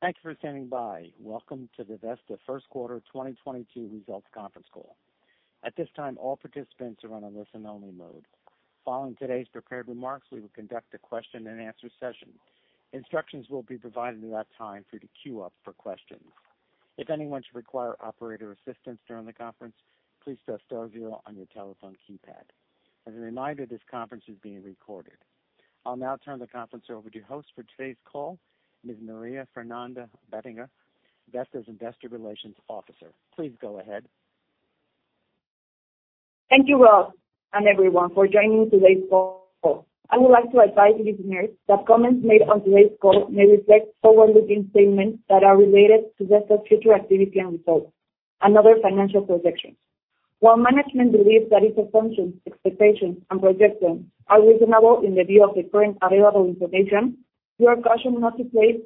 Thanks for standing by. Welcome to the Vesta first quarter 2022 results conference call. At this time, all participants are on a listen only mode. Following today's prepared remarks, we will conduct a question and answer session. Instructions will be provided at that time for you to queue up for questions. If anyone should require operator assistance during the conference, please press star zero on your telephone keypad. As a reminder, this conference is being recorded. I'll now turn the conference over to your host for today's call, Ms. Maria Fernanda Bettinger, Vesta's Investor Relations Officer. Please go ahead. Thank you, Rob, and everyone for joining today's call. I would like to advise listeners that comments made on today's call may reflect forward-looking statements that are related to Vesta's future activity and results, and other financial projections. While management believes that its assumptions, expectations, and projections are reasonable in view of the current available information, we are cautioned not to place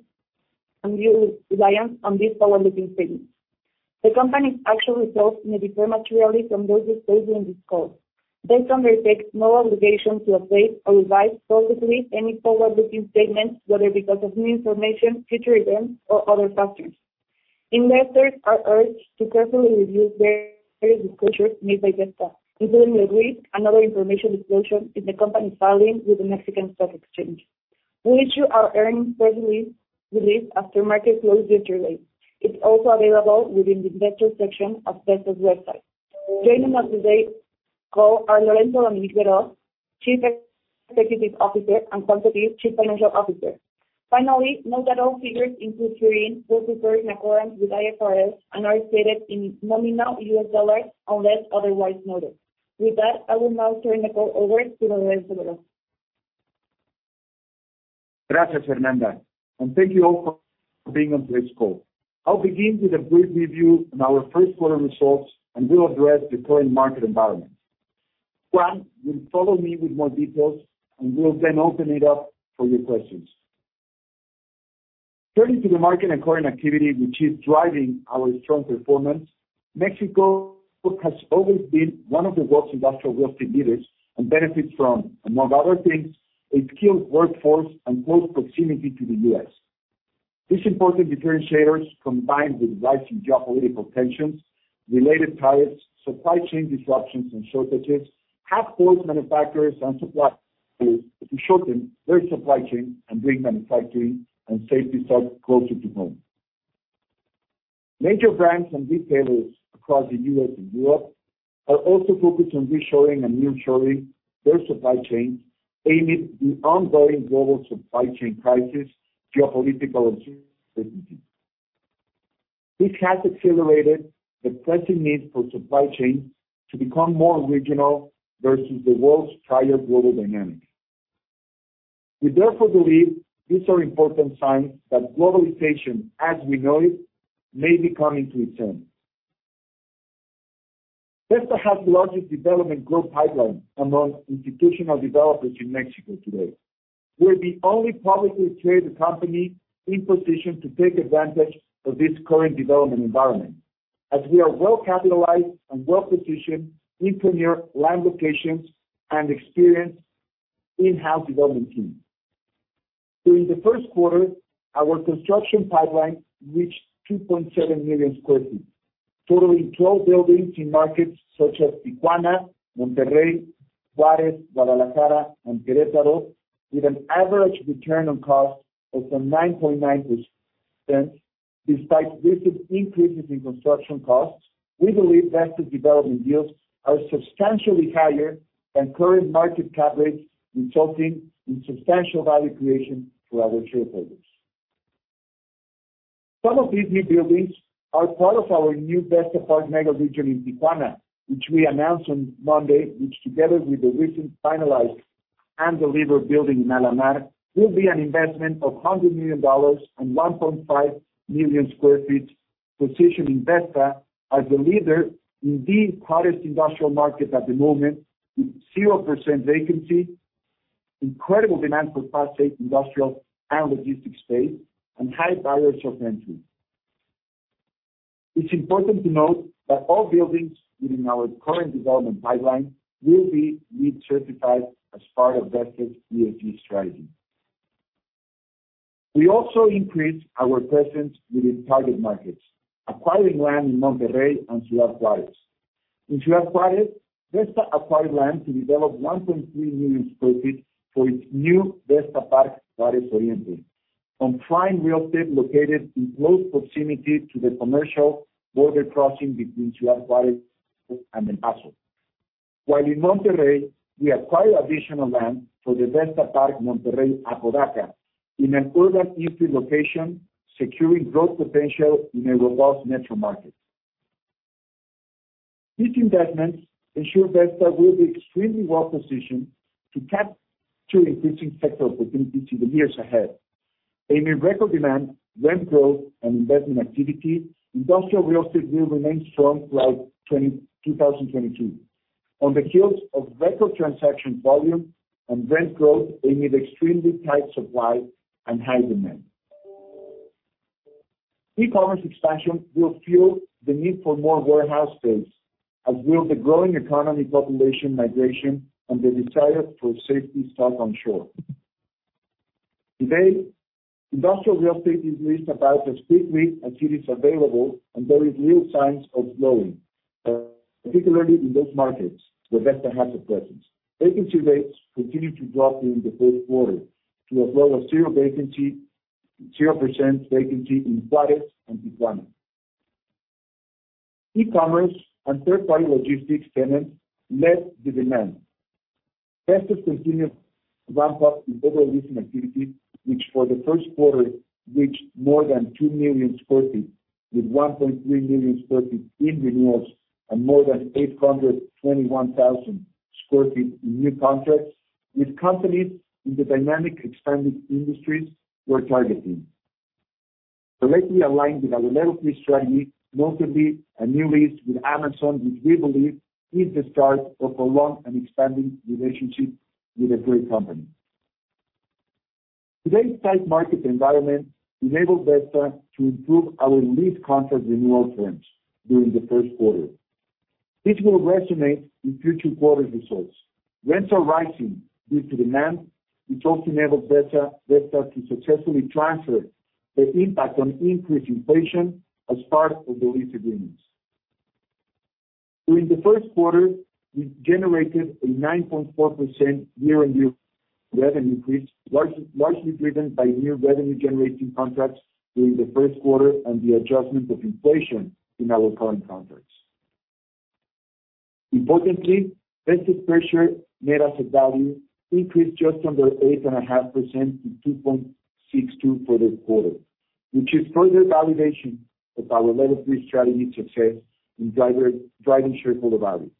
reliance on these forward-looking statements. The company's actual results may differ materially from those disclosed during this call. Vesta undertakes no obligation to update or revise publicly any forward-looking statements, whether because of new information, future events, or other factors. Investors are urged to carefully review various disclosures made by Vesta, including the risk and other information disclosure in the company's filing with the Mexican Stock Exchange. We issue our earnings press release after market close yesterday. It's also available within the investor section of Vesta's website. Joining us on today's call are Lorenzo Dominique Berho Carranza, Chief Executive Officer, and Juan Sottil, Chief Financial Officer. Finally, note that all figures will be presented in accordance with IFRS and are stated in nominal U.S. dollars unless otherwise noted. With that, I will now turn the call over to Lorenzo Dominique Berho. Gracias, Fernanda, and thank you all for being on today's call. I'll begin with a brief review on our first quarter results, and will address the current market environment. Juan will follow me with more details, and we'll then open it up for your questions. Turning to the market and current activity which is driving our strong performance, Mexico has always been one of the world's industrial real estate leaders and benefits from, among other things, a skilled workforce and close proximity to the U.S. These important differentiators, combined with rising geopolitical tensions, related tariffs, supply chain disruptions and shortages, have forced manufacturers and suppliers to shorten their supply chain and bring manufacturing and safety stock closer to home. Major brands and retailers across the U.S. and Europe are also focused on reshoring and nearshoring their supply chains, amid the ongoing global supply chain crisis, geopolitical uncertainty. This has accelerated the pressing need for supply chains to become more regional versus the world's prior global dynamics. We therefore believe these are important signs that globalization as we know it may be coming to its end. Vesta has the largest development growth pipeline among institutional developers in Mexico today. We're the only publicly traded company in position to take advantage of this current development environment, as we are well capitalized and well-positioned in premier land locations and experienced in-house development teams. During the first quarter, our construction pipeline reached 2.7 million sq ft, totaling 12 buildings in markets such as Tijuana, Monterrey, Juárez, Guadalajara, and Querétaro, with an average return on cost of some 9.9%. Despite recent increases in construction costs, we believe Vesta's development deals are substantially higher than current market cap rates, resulting in substantial value creation for our shareholders. Some of these new buildings are part of our new Vesta Park Mega Region in Tijuana, which we announced on Monday, which together with the recent finalized and delivered building in Alamar, will be an investment of $100 million and 1.5 million sq ft, positioning Vesta as a leader in the hottest industrial market at the moment, with 0% vacancy, incredible demand for class A industrial and logistics space, and high barriers of entry. It's important to note that all buildings within our current development pipeline will be LEED certified as part of Vesta's ESG strategy. We also increased our presence within target markets, acquiring land in Monterrey and Ciudad Juárez. In Ciudad Juárez, Vesta acquired land to develop 1.3 million sq ft for its new Vesta Park Juárez Oriente, on prime real estate located in close proximity to the commercial border crossing between Ciudad Juárez and El Paso. While in Monterrey, we acquired additional land for the Vesta Park Monterrey Apodaca in an urban entry location, securing growth potential in a robust metro market. These investments ensure Vesta will be extremely well-positioned to capture increasing sector opportunities in the years ahead. Aiming record demand, rent growth, and investment activity, industrial real estate will remain strong throughout 2022. On the heels of record transaction volume and rent growth amid extremely tight supply and high demand. E-commerce expansion will fuel the need for more warehouse space, as will the growing economy, population migration, and the desire for safety stock onshore. Today, industrial real estate is leased about as quickly as it is available, and there is little signs of slowing, particularly in those markets where Vesta has a presence. Vacancy rates continued to drop during the first quarter to a low of 0% vacancy in Dallas and Atlanta. E-commerce and third-party logistics tenants led the demand. Vesta's continued to ramp up its overall leasing activity, which for the first quarter reached more than 2 million sq ft, with 1.3 million sq ft in renewals and more than 821,000 sq ft in new contracts with companies in the dynamic expanding industries we're targeting. Directly aligned with our Level Three strategy, notably a new lease with Amazon, which we believe is the start of a long and expanding relationship with a great company. Today's tight market environment enabled Vesta to improve our lease contract renewal terms during the first quarter. This will resonate in future quarter results. Rents are rising due to demand, which also enabled Vesta to successfully transfer the impact on increased inflation as part of the lease agreements. During the first quarter, we generated a 9.4% year-on-year revenue increase, largely driven by new revenue-generating contracts during the first quarter and the adjustment of inflation in our current contracts. Importantly, Vesta's per-share net asset value increased just under 8.5% to 2.62 for the quarter, which is further validation of our Level Three strategy success in driving shareholder value.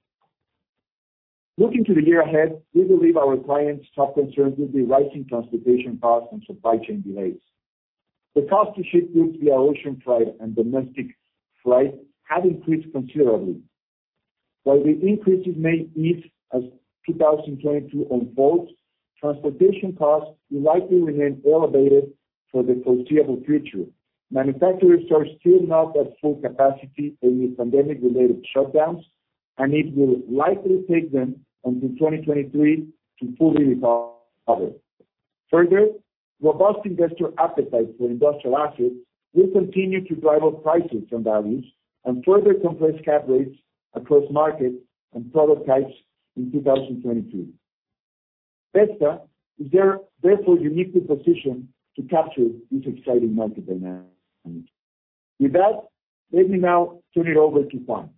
Looking to the year ahead, we believe our clients' top concerns will be rising transportation costs and supply chain delays. The cost to ship goods via ocean freight and domestic freight have increased considerably. While the increases may ease as 2022 unfolds, transportation costs will likely remain elevated for the foreseeable future. Manufacturers are still not at full capacity amid pandemic-related shutdowns, and it will likely take them until 2023 to fully recover. Further, robust investor appetite for industrial assets will continue to drive up prices and values and further compress cap rates across markets and product types in 2022. Vesta is therefore uniquely positioned to capture this exciting market dynamic. With that, let me now turn it over to Juan.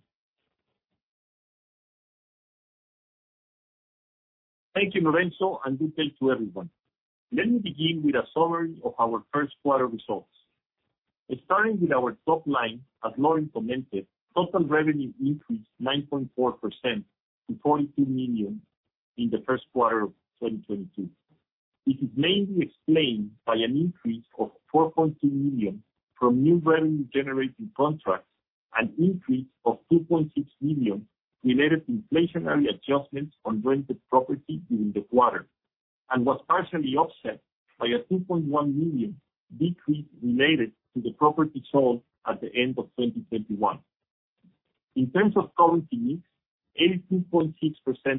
Thank you, Lorenzo, and good day to everyone. Let me begin with a summary of our first quarter results. Starting with our top line, as Lorenzo commented, total revenue increased 9.4% to $42 million in the first quarter of 2022. This is mainly explained by an increase of $4.2 million from new revenue-generating contracts, an increase of $2.6 million related to inflationary adjustments on rented property during the quarter, and was partially offset by a $2.1 million decrease related to the property sold at the end of 2021. In terms of currency mix, 82.6%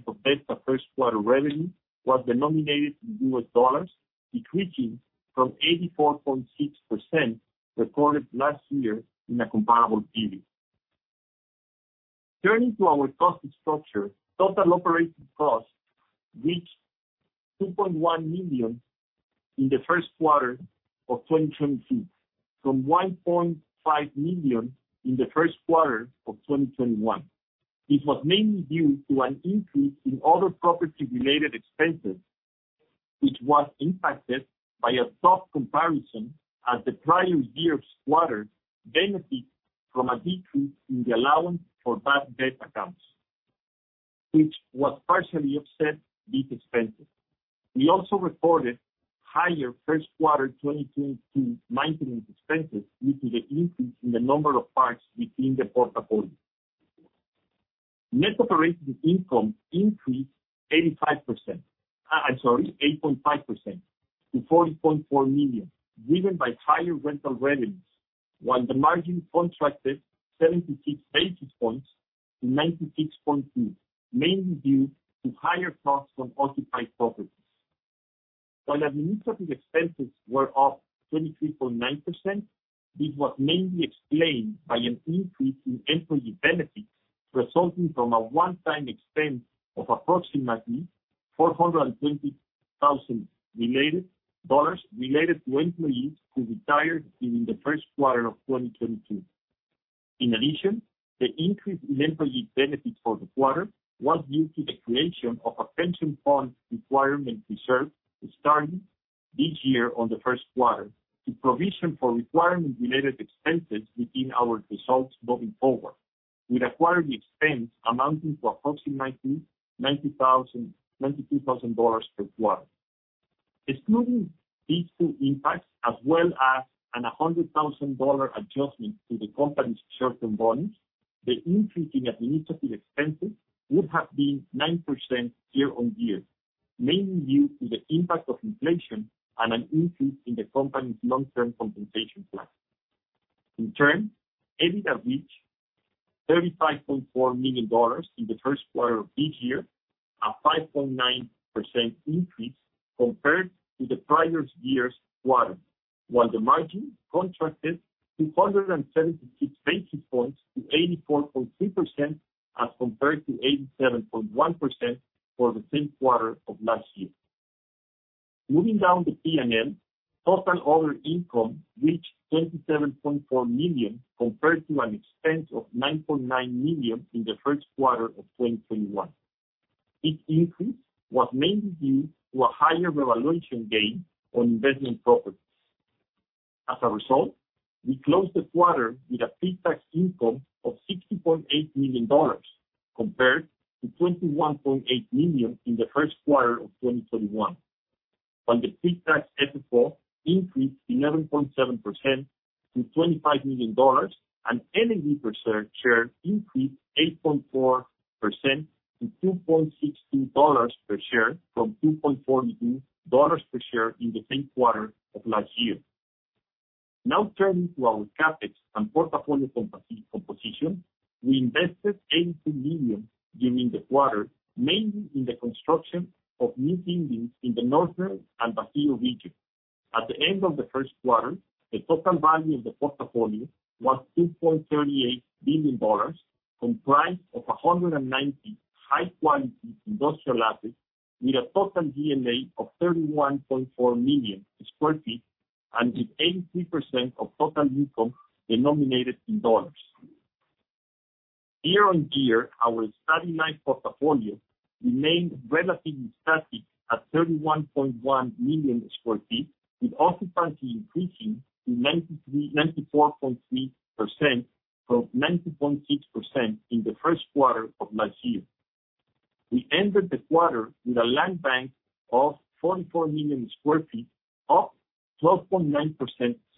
of Vesta's first quarter revenue was denominated in U.S. dollars, decreasing from 84.6% recorded last year in a comparable period. Turning to our cost structure, total operating costs reached $2.1 million in the first quarter of 2022, from $1.5 million in the first quarter of 2021. This was mainly due to an increase in other property-related expenses, which was impacted by a tough comparison as the prior year's quarter benefited from a decrease in the allowance for bad debt accounts, which partially offset these expenses. We also recorded higher first quarter 2022 maintenance expenses due to the increase in the number of parks within the portfolio. Net operating income increased 8.5% to $40.4 million, driven by higher rental revenues, while the margin contracted 76 basis points to 96.2%, mainly due to higher costs on occupied properties. While administrative expenses were up 23.9%, this was mainly explained by an increase in employee benefits resulting from a one-time expense of approximately $420,000 dollars related to employees who retired during the first quarter of 2022. In addition, the increase in employee benefits for the quarter was due to the creation of a pension fund requirement reserve starting this year on the first quarter to provision for retirement-related expenses within our results moving forward, with accruing expense amounting to approximately $92,000 per quarter. Excluding these two impacts as well as a $100,000 adjustment to the company's short-term bonds, the increase in administrative expenses would have been 9% year-on-year. Mainly due to the impact of inflation and an increase in the company's long-term compensation plan. EBITDA reached $35.4 million in the first quarter of this year, a 5.9% increase compared to the prior year's quarter. While the margin contracted 276 basis points to 84.3% as compared to 87.1% for the same quarter of last year. Moving down the P&L, total other income reached $27.4 million compared to an expense of $9.9 million in the first quarter of 2022. This increase was mainly due to a higher revaluation gain on investment properties. As a result, we closed the quarter with a pre-tax income of $60.8 million compared to $21.8 million in the first quarter of 2022. When the pre-tax FFO increased 11.7% to $25 million and NAV per share increased 8.4% to $2.16 per share from $2.14 per share in the same quarter of last year. Now turning to our CapEx and portfolio composition. We invested $82 million during the quarter, mainly in the construction of new buildings in the northern and Bajío region. At the end of the first quarter, the total value of the portfolio was $2.38 billion, comprised of 190 high quality industrial assets with a total GLA of 31.4 million sq ft, and with 83% of total income denominated in dollars. Year on year, our stabilized portfolio remained relatively static at 31.1 million sq ft, with occupancy increasing to 94.3% from 90.6% in the first quarter of last year. We ended the quarter with a land bank of 44 million sq ft, up 12.9%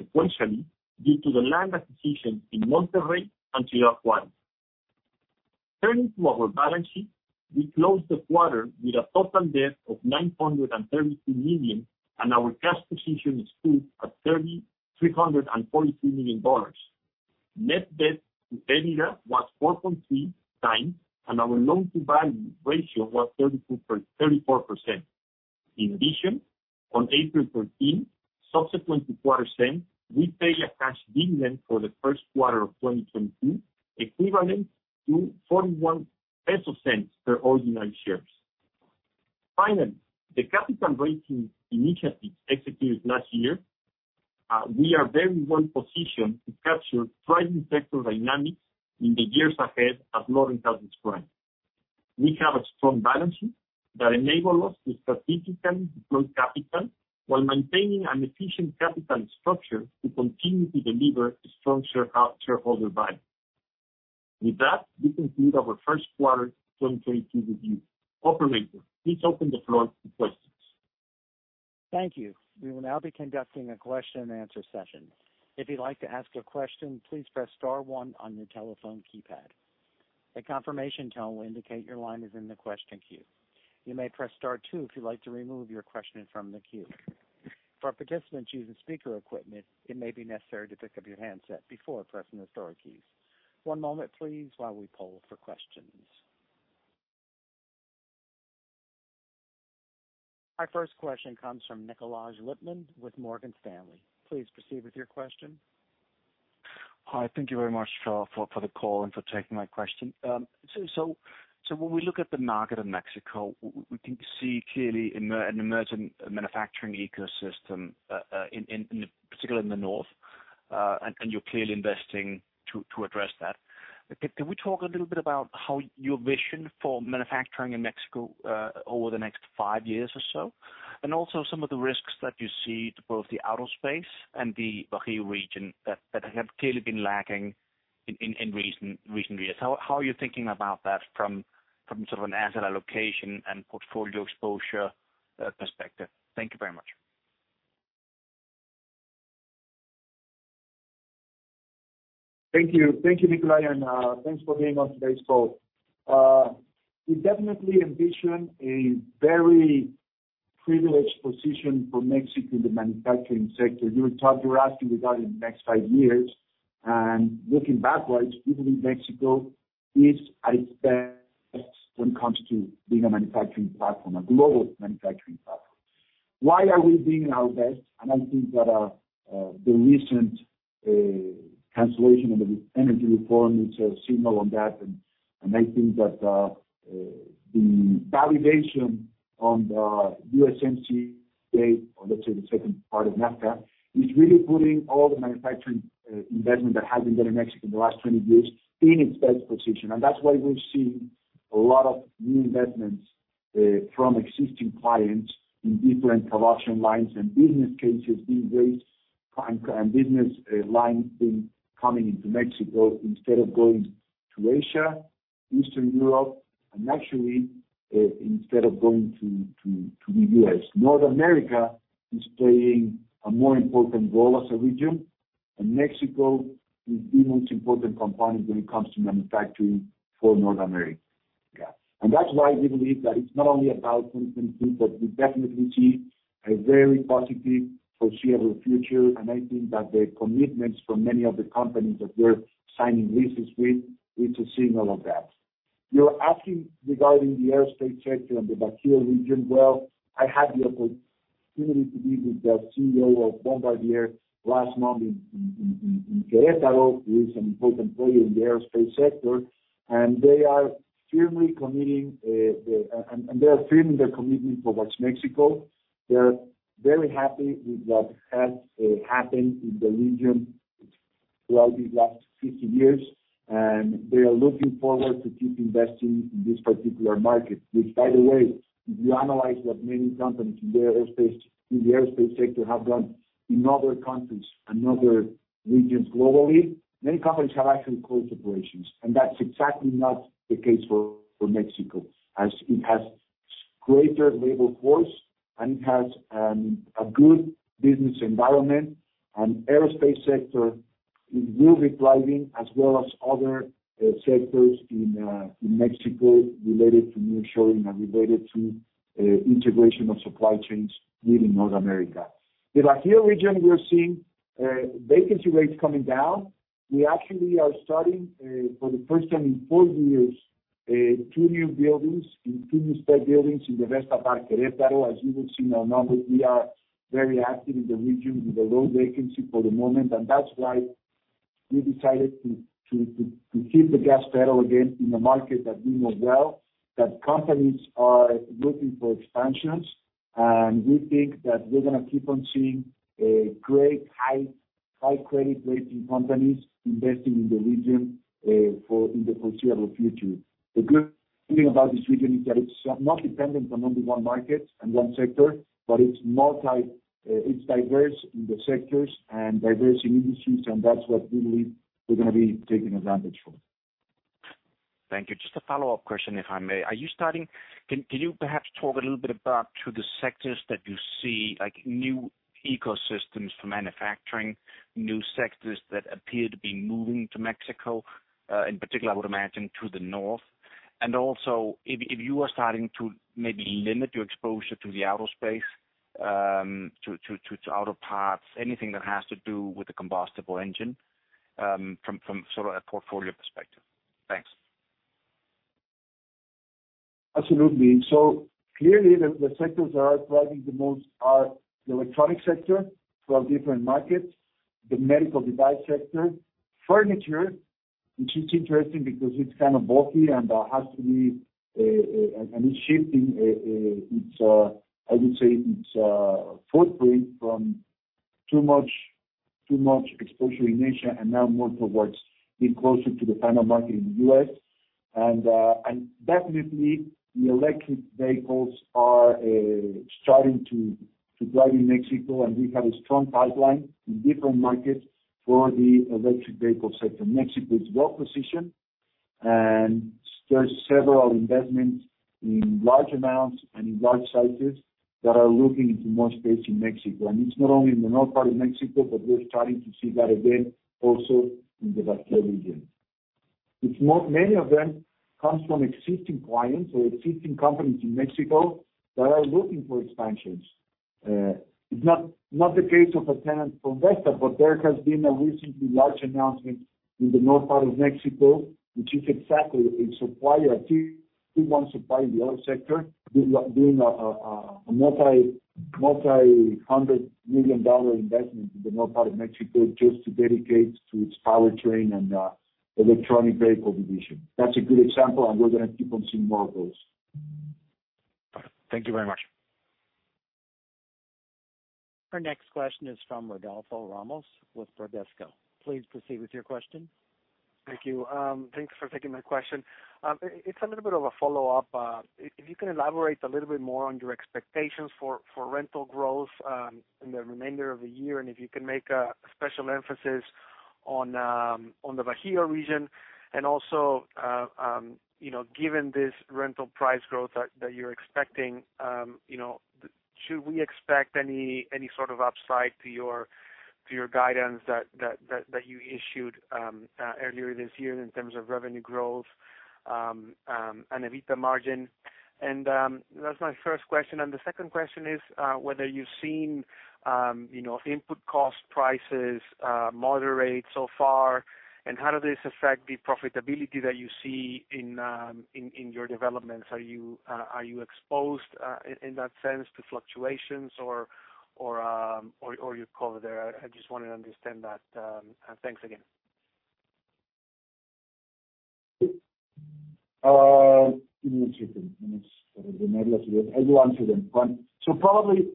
sequentially due to the land acquisition in Monterrey and Tijuana. Turning to our balance sheet, we closed the quarter with a total debt of $932 million, and our cash position stood at $3,343 million. Net debt to EBITDA was 4.3x, and our loan-to-value ratio was 34%. In addition, on April 13, subsequent to quarter's end, we paid a cash dividend for the first quarter of 2022, equivalent to 0.41 per ordinary share. Finally, the capital raising initiatives executed last year, we are very well positioned to capture thriving sector dynamics in the years ahead as Lorenzo has described. We have a strong balance sheet that enable us to strategically deploy capital while maintaining an efficient capital structure to continue to deliver a strong shareholder value. With that, we conclude our first quarter 2022 review. Operator, please open the floor to questions. Thank you. We will now be conducting a question and answer session. If you'd like to ask a question, please press star one on your telephone keypad. A confirmation tone will indicate your line is in the question queue. You may press star two if you'd like to remove your question from the queue. For participants using speaker equipment, it may be necessary to pick up your handset before pressing the star keys. One moment please, while we poll for questions. Our first question comes from Nikolaj Lippmann with Morgan Stanley. Please proceed with your question. Hi. Thank you very much for the call and for taking my question. So when we look at the market of Mexico, we can see clearly an emerging manufacturing ecosystem, in particular in the north, and you're clearly investing to address that. Can we talk a little bit about how your vision for manufacturing in Mexico, over the next five years or so? And also some of the risks that you see to both the auto space and the Bajío region that have clearly been lacking in recent years. How are you thinking about that from sort of an asset allocation and portfolio exposure perspective? Thank you very much. Thank you. Thank you, Nikolaj, and thanks for being on today's call. We definitely envision a very privileged position for Mexico in the manufacturing sector. You're asking regarding the next five years, and looking backwards, even in Mexico is at its best when it comes to being a manufacturing platform, a global manufacturing platform. Why are we being our best? I think that the recent cancellation of the energy reform is a signal on that. I think that the validation on the USMCA trade, or let's say the second part of NAFTA, is really putting all the manufacturing investment that hasn't been in Mexico in the last 20 years in its best position. That's why we're seeing a lot of new investments from existing clients in different production lines and business cases these days. Business lines being coming into Mexico instead of going to Asia, Eastern Europe, and actually, instead of going to the U.S. North America is playing a more important role as a region. Mexico is the most important component when it comes to manufacturing for North America. Yeah. That's why we believe that it's not only about 2020, but we definitely see a very positive foreseeable future. I think that the commitments from many of the companies that we're signing leases with is a signal of that. You're asking regarding the aerospace sector and the Bajío region. Well, I had the opportunity to be with the CEO of Bombardier last month in Querétaro, who is an important player in the aerospace sector, and they are firm in their commitment towards Mexico. They're very happy with what has happened in the region throughout these last 50 years. They are looking forward to keep investing in this particular market. Which by the way, if you analyze what many companies in the aerospace sector have done in other countries and other regions globally, many companies have actually closed operations. That's exactly not the case for Mexico, as it has greater labor force and it has a good business environment. Aerospace sector will be thriving as well as other sectors in Mexico related to nearshoring and related to integration of supply chains within North America. The Bajío region, we are seeing vacancy rates coming down. We actually are starting for the first time in four years two new spec buildings in the Vesta Park Querétaro. As you would see in our numbers, we are very active in the region with a low vacancy for the moment. That's why we decided to hit the gas pedal again in a market that we know well, that companies are looking for expansions. We think that we're gonna keep on seeing great high credit rating companies investing in the region in the foreseeable future. The good thing about this region is that it's not dependent on only one market and one sector, but it's diverse in the sectors and diverse in industries, and that's what we believe we're gonna be taking advantage from. Thank you. Just a follow-up question, if I may. Can you perhaps talk a little bit about the sectors that you see, like new ecosystems for manufacturing, new sectors that appear to be moving to Mexico, in particular, I would imagine to the north? Also, if you are starting to maybe limit your exposure to the aerospace, to auto parts, anything that has to do with the combustible engine, from sort of a portfolio perspective. Thanks. Absolutely. Clearly the sectors that are thriving the most are the electronic sector from different markets, the medical device sector. Furniture, which is interesting because it's kind of bulky and is shifting its footprint from too much exposure in Asia and now more towards being closer to the final market in the U.S. Definitely the electric vehicles are starting to thrive in Mexico, and we have a strong pipeline in different markets for the electric vehicle sector. Mexico is well positioned, and there are several investments in large amounts and in large sizes that are looking into more space in Mexico. It's not only in the north part of Mexico, but we're starting to see that again also in the Bajío region. Many of them come from existing clients or existing companies in Mexico that are looking for expansions. It's not the case of a tenant for Vesta, but there has been a recent large announcement in the north part of Mexico, which is exactly a supplier to the auto sector doing a $multi-hundred million investment in the north part of Mexico just to dedicate to its powertrain and electric vehicle division. That's a good example, and we're gonna keep on seeing more of those. Thank you very much. Our next question is from Rodolfo Ramos with Bradesco. Please proceed with your question. Thank you. Thanks for taking my question. It's a little bit of a follow-up. If you can elaborate a little bit more on your expectations for rental growth in the remainder of the year, and if you can make a special emphasis on the Bajío region. Also, you know, given this rental price growth that you're expecting, you know, should we expect any sort of upside to your guidance that you issued earlier this year in terms of revenue growth and EBITDA margin? That's my first question. The second question is whether you've seen input cost prices moderate so far, and how does this affect the profitability that you see in your developments? Are you exposed in that sense to fluctuations or you're covered there? I just want to understand that. Thanks again. Give me a second. Let me see. I will answer them. One. So probably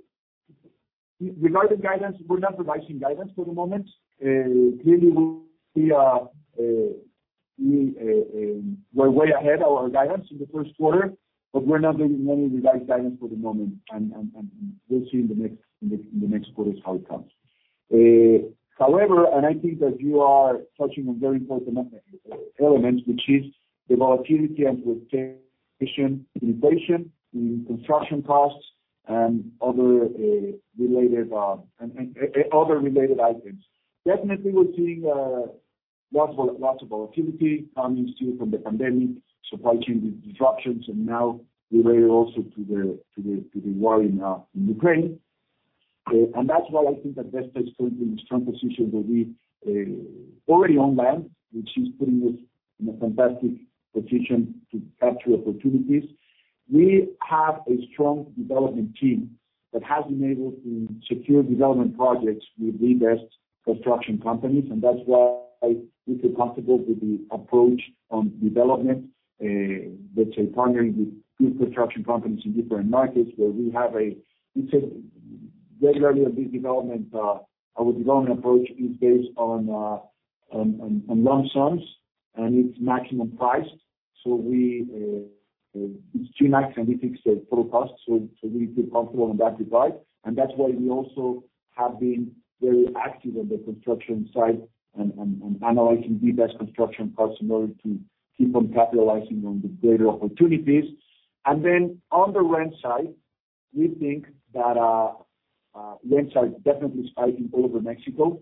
regarding guidance, we're not providing guidance for the moment. Clearly, we are way ahead of our guidance in the first quarter, but we're not giving any revised guidance for the moment. We'll see in the next quarters how it comes. However, I think that you are touching on very important elements, which is the volatility and with inflation in construction costs and other related items. Definitely, we're seeing lots of volatility coming still from the pandemic, supply chain disruptions, and now related also to the war in Ukraine. That's why I think that Vesta is still in a strong position where we already own land, which is putting us in a fantastic position to capture opportunities. We have a strong development team that has enabled to secure development projects with the best construction companies, and that's why we feel comfortable with the approach on development, let's say, partnering with good construction companies in different markets. It's very early in this development. Our development approach is based on lump sums, and it's maximum priced. It's max, and we fix the total cost, so we feel comfortable on that regard. That's why we also have been very active on the construction side and analyzing the best construction costs in order to keep on capitalizing on the greater opportunities. On the rent side, we think that rents are definitely spiking all over Mexico.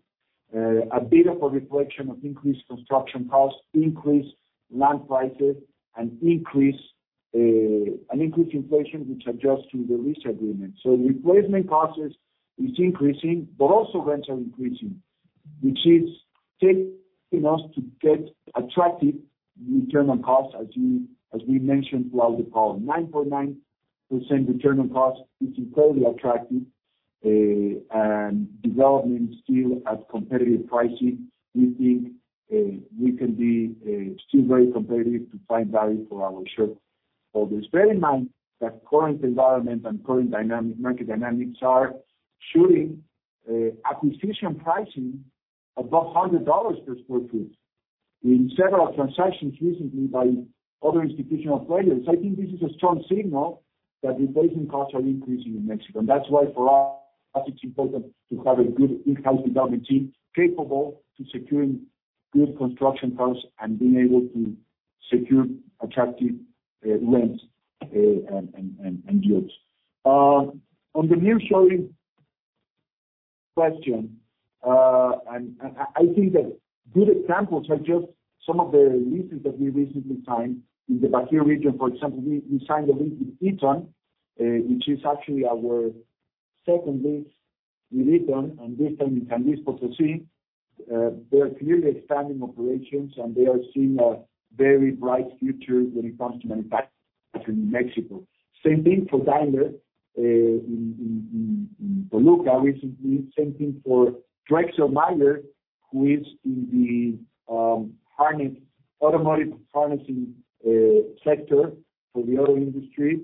A bit of a reflection of increased construction costs, increased land prices, and increased inflation, which adjusts to the lease agreement. Replacement costs is increasing, but also rents are increasing, which is taking us to get attractive return on cost, as we mentioned throughout the call, 9.9% return on cost, which is totally attractive. Development still at competitive pricing. We think we can be still very competitive to find value for our shareholders. Bear in mind that current environment and current dynamic, market dynamics are shooting acquisition pricing above $100 per sq ft in several transactions recently by other institutional players. I think this is a strong signal that replacement costs are increasing in Mexico. That's why for us, it's important to have a good in-house development team capable to securing good construction costs and being able to secure attractive rents and yields. On the nearshoring question, I think that good examples are just some of the leases that we recently signed in the Bajío region. For example, we signed a lease with Eaton, which is actually our second lease with Eaton, and this time it's in San Luis Potosí. They're clearly expanding operations, and they are seeing a very bright future when it comes to manufacturing in Mexico. Same thing for Daimler in Toluca recently. Same thing for Dräxlmaier, who is in the harness, automotive harnessing sector for the auto industry.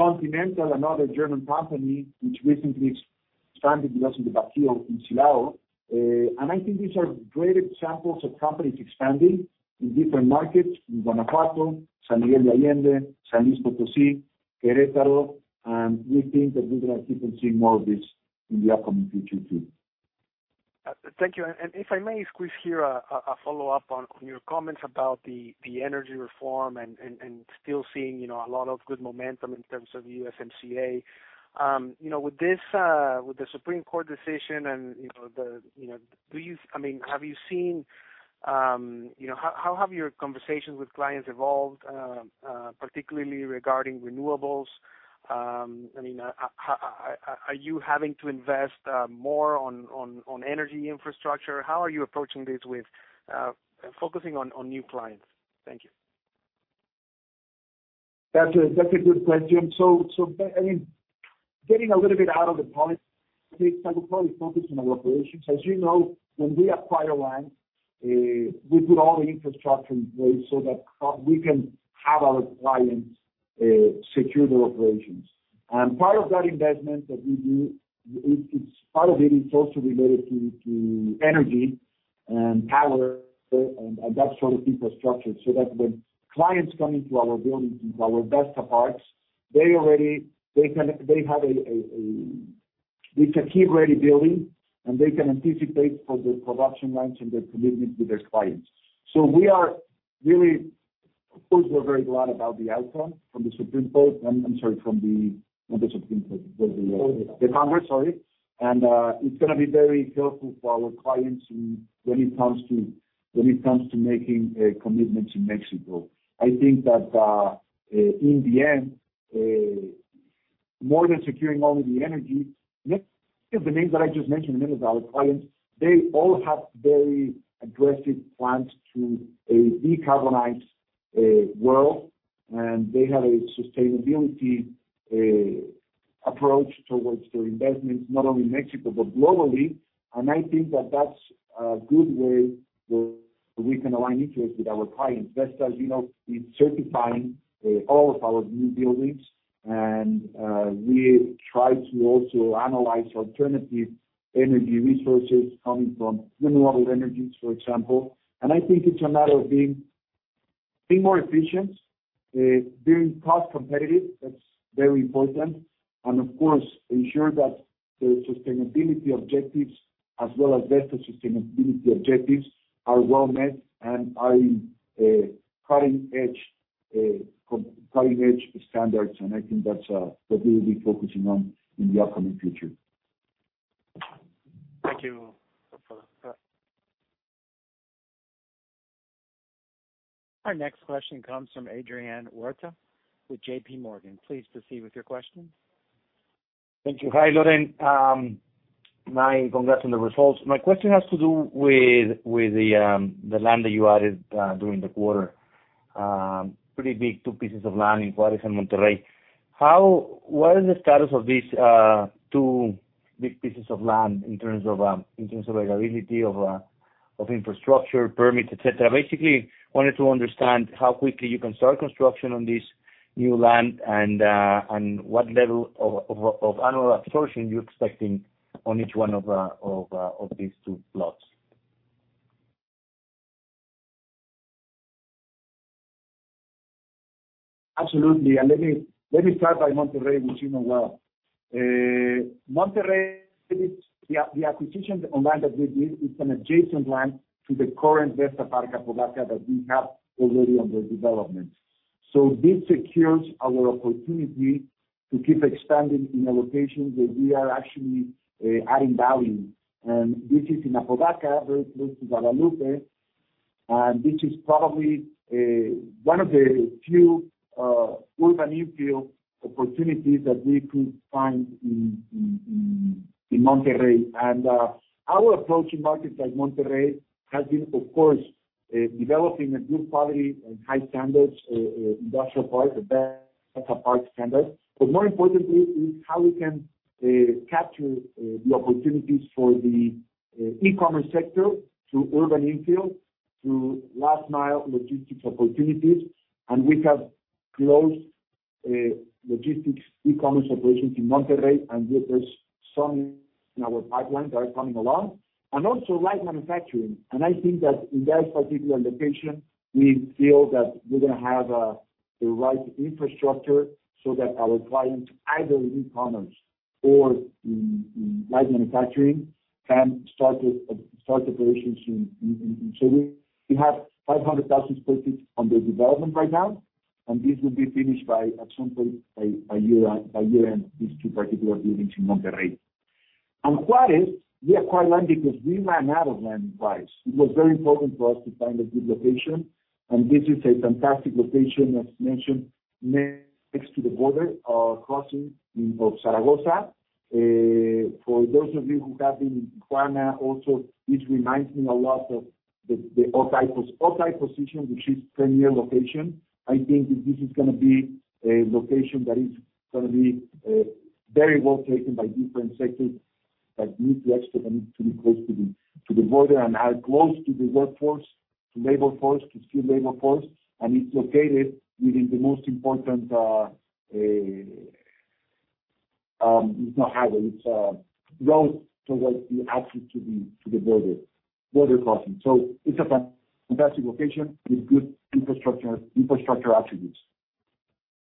Continental, another German company which recently expanded with us in the Bajío in Silao. I think these are great examples of companies expanding in different markets, in Guanajuato, San Miguel de Allende, San Luis Potosí, Querétaro, and we think that we're gonna keep on seeing more of this in the upcoming future too. Thank you. If I may squeeze in a follow-up on your comments about the energy reform and still seeing, you know, a lot of good momentum in terms of USMCA. You know, with this, with the Supreme Court decision, I mean, have you seen how your conversations with clients have evolved, particularly regarding renewables? I mean, are you having to invest more on energy infrastructure? How are you approaching this, focusing on new clients? Thank you. That's a good question. I mean, getting a little bit out of the politics, I will probably focus on our operations. As you know, when we acquire land, we put all the infrastructure in place so that we can have our clients secure their operations. Part of that investment that we do, part of it is also related to energy and power and that sort of infrastructure, so that when clients come into our buildings, into our Vesta parks, they can have a key-ready building, and they can anticipate for their production lines and their commitment to their clients. Of course, we're very glad about the outcome from the Supreme Court. I'm sorry, not the Supreme Court, but the The Congress. It's gonna be very helpful for our clients when it comes to making commitments in Mexico. I think that in the end, more than securing only the energy, let's take the names that I just mentioned, many of our clients, they all have very aggressive plans to decarbonize world. They have a sustainability approach towards their investments, not only in Mexico, but globally. I think that that's a good way where we can align interests with our clients. Vesta, as you know, is certifying all of our new buildings. We try to also analyze alternative energy resources coming from renewable energies, for example. I think it's a matter of being more efficient, being cost competitive. That's very important, and of course, ensure that the sustainability objectives as well as Vesta sustainability objectives are well met and are in cutting edge standards. I think that's what we will be focusing on in the upcoming future. Thank you for that. Our next question comes from Adrian Huerta with J.P. Morgan. Please proceed with your question. Thank you. Hi, Lorenzo. My congrats on the results. My question has to do with the land that you added during the quarter. Pretty big two pieces of land in Juárez and Monterrey. What is the status of these two big pieces of land in terms of availability of infrastructure, permits, et cetera? Basically, I wanted to understand how quickly you can start construction on this new land and what level of annual absorption you're expecting on each one of these two plots. Absolutely. Let me start by Monterrey, which you know well. Monterrey, the acquisition of land that we did is an adjacent land to the current Vesta Park Apodaca that we have already under development. This secures our opportunity to keep expanding in a location that we are actually adding value. This is in Apodaca, very close to Guadalupe, and this is probably one of the few urban infill opportunities that we could find in Monterrey. Our approach in markets like Monterrey has been, of course, developing a good quality and high standards industrial park, the Vesta Park standard. More importantly is how we can capture the opportunities for the e-commerce sector through urban infill, through last mile logistics opportunities. We have close logistics e-commerce operations in Monterrey, and there is some in our pipeline that are coming along. Also light manufacturing. I think that in that particular location, we feel that we're gonna have the right infrastructure so that our clients, either in e-commerce or in light manufacturing, can start operations in. We have 500,000 sq ft under development right now, and this will be finished by year end, these two particular buildings in Monterrey. On Juárez, we acquired land because we ran out of land in Juárez. It was very important for us to find a good location, and this is a fantastic location, as mentioned, next to the border crossing into Zaragoza. For those of you who have been in Tijuana also, this reminds me a lot of the Otay position, which is premier location. I think that this is gonna be a location that is gonna be very well taken by different sectors that need to be close to the border and are close to the workforce, labor force, skilled labor force. It's located within the most important. It's not highway, it's a road towards the access to the border crossing. It's a fantastic location with good infrastructure attributes.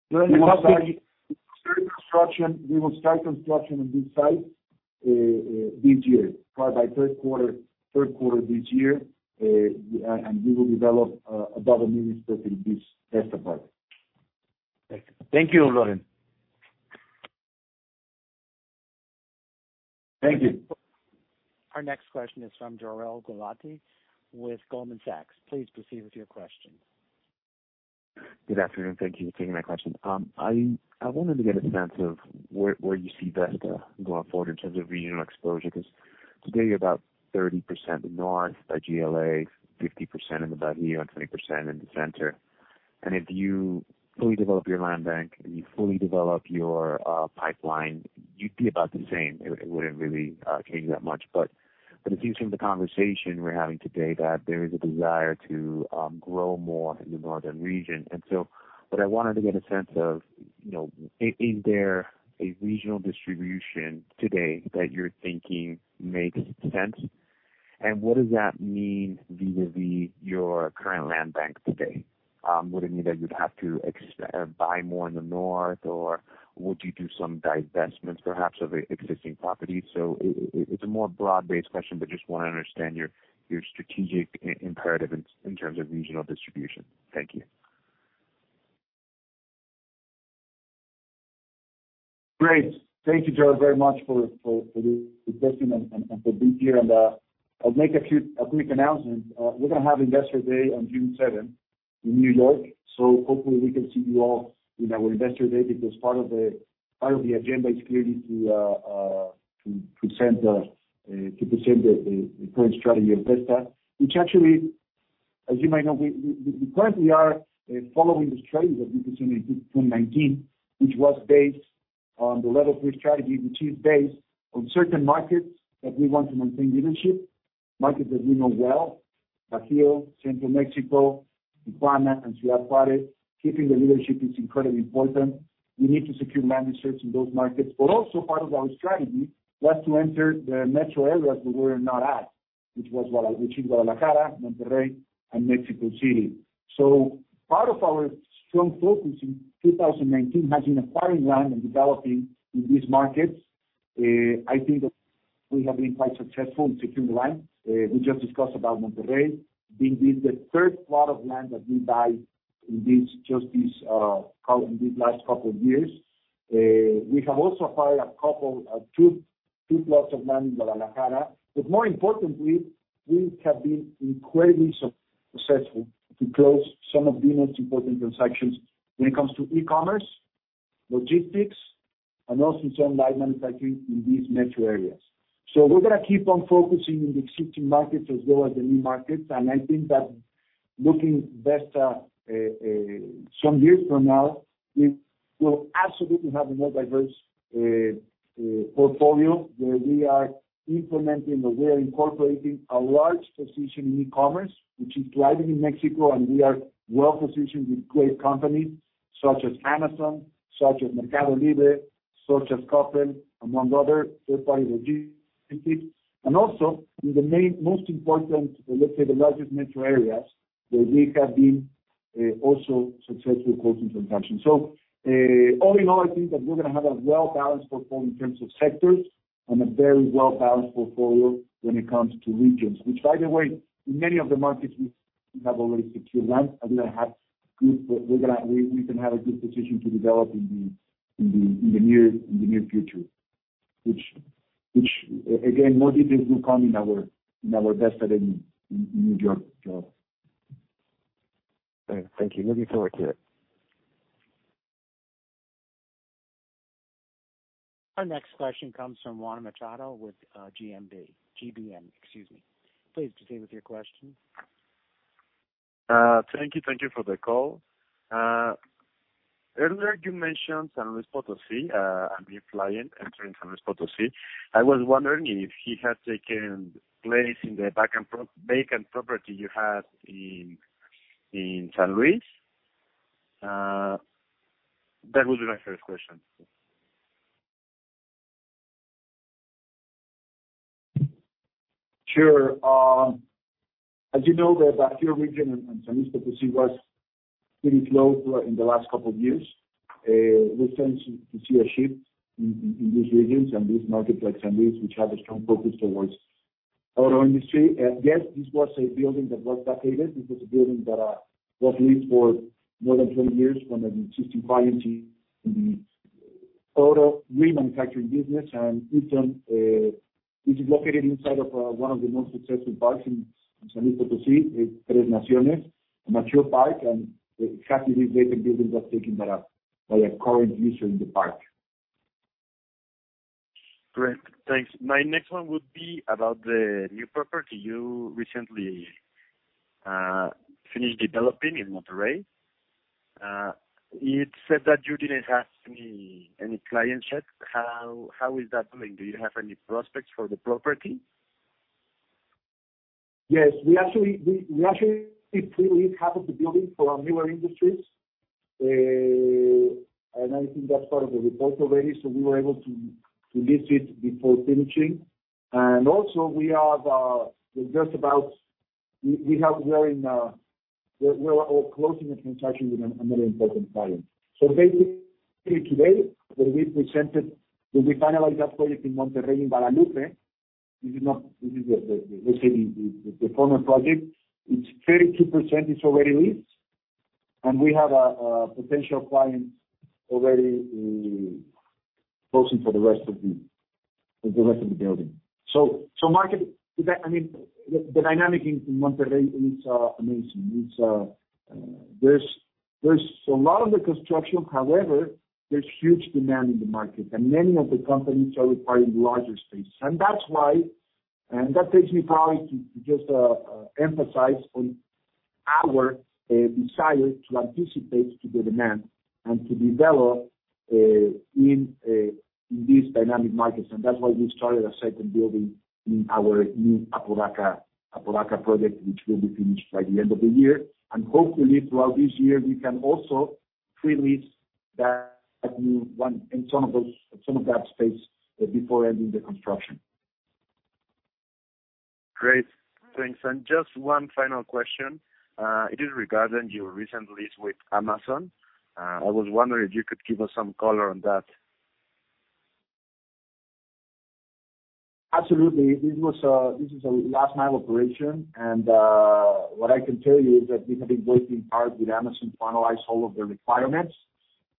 When do you expect? We will start construction on this site this year, probably by third quarter this year. We will develop about 1 million sq ft in this Vesta Park. Thank you. Thank you, Lorenzo. Thank you. Our next question is from Jorel Guilloty with Goldman Sachs. Please proceed with your question. Good afternoon. Thank you for taking my question. I wanted to get a sense of where you see Vesta going forward in terms of regional exposure, because today you're about 30% in north by GLA, 50% in the Bajío, and 20% in the center. If you fully develop your land bank and you fully develop your pipeline, you'd be about the same. It wouldn't really change that much. It seems from the conversation we're having today that there is a desire to grow more in the northern region. What I wanted to get a sense of, you know, is there a regional distribution today that you're thinking makes sense? What does that mean vis-à-vis your current land bank today? Would it mean that you'd have to buy more in the north, or would you do some divestments perhaps of existing properties? It's a more broad-based question, but just wanna understand your strategic imperative in terms of regional distribution. Thank you. Great. Thank you, Jorel, very much for this question and for being here. I'll make a quick announcement. We're gonna have Investor Day on June seventh in New York, so hopefully we can see you all in our Investor Day, because part of the agenda is clearly to present the current strategy of Vesta, which actually, as you might know, we currently are following the strategy that we presented in 2019, which was based on the Level Three strategy, which is based on certain markets that we want to maintain leadership, markets that we know well. Bajío, Central Mexico, Tijuana, and Ciudad Juárez. Keeping the leadership is incredibly important. We need to secure land reserves in those markets. Also part of our strategy was to enter the metro areas where we're not at. Which was Guadalajara, Monterrey, and Mexico City. Part of our strong focus in 2019 has been acquiring land and developing in these markets. I think that we have been quite successful in securing land. We just discussed about Monterrey being the third plot of land that we buy in just these last couple of years. We have also acquired a couple two plots of land in Guadalajara, but more importantly, we have been incredibly successful to close some of the most important transactions when it comes to e-commerce, logistics, and also some light manufacturing in these metro areas. We're gonna keep on focusing in the existing markets as well as the new markets, and I think that looking Vesta some years from now, we will absolutely have a more diverse portfolio, where we are implementing or we are incorporating a large position in e-commerce, which is thriving in Mexico, and we are well-positioned with great companies such as Amazon, such as Mercado Libre, such as Coppel, among other third-party logistics. Also, in the main, most important, let's say the largest metro areas, where we have been also successful closing transactions. All in all, I think that we're gonna have a well-balanced portfolio in terms of sectors and a very well-balanced portfolio when it comes to regions. Which by the way, in many of the markets we have already secured land and we have good, we're gonna. We can have a good position to develop in the near future. Which, again, more details will come in our Vesta Day in New York. Thank you. Looking forward to it. Our next question comes from Juan Machado with GBM, excuse me. Please proceed with your question. Thank you. Thank you for the call. Earlier you mentioned San Luis Potosí, a new client entering San Luis Potosí. I was wondering if it had taken place in the vacant property you had in San Luis Potosí. That would be my first question. Sure. As you know, the Bajío region and San Luis Potosí was pretty slow throughout in the last couple of years. We're starting to see a shift in these regions and these markets like San Luis, which have a strong focus towards auto industry. Yes, this was a building that was vacated. This was a building that was leased for more than 20 years from an existing client in the auto remanufacturing business. It's located inside of one of the most successful parks in San Luis Potosí, in Tres Naciones, a mature park, and happily this vacant building was taken by a current user in the park. Great. Thanks. My next one would be about the new property you recently finished developing in Monterrey. You'd said that you didn't have any clients yet. How is that doing? Do you have any prospects for the property? Yes. We actually pre-leased half of the building for our Miller Industries. I think that's part of the report already, so we were able to lease it before finishing. We're just about closing a transaction with another important client. Basically today, when we presented, when we finalize that project in Monterrey in Guadalupe, this is, let's say, the former project. It's 32% already leased, and we have a potential client already closing for the rest of the building. The market is that, I mean, the dynamic in Monterrey is amazing. There's a lot under construction. However, there's huge demand in the market, and many of the companies are requiring larger space. That's why we emphasize our desire to anticipate the demand and to develop in these dynamic markets. That's why we started a second building in our new Apodaca project, which will be finished by the end of the year. Hopefully throughout this year we can also pre-lease that new one and some of that space before ending the construction. Great. Thanks. Just one final question. It is regarding your recent lease with Amazon. I was wondering if you could give us some color on that. Absolutely. This is a last mile operation, and what I can tell you is that we have been working hard with Amazon to finalize all of the requirements.